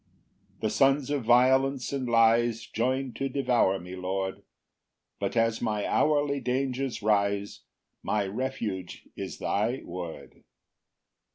2 The Sons of violence and lies Join to devour me, Lord; But as my hourly dangers rise, My refuge is thy word.